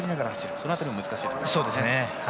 その辺りも難しいところですね。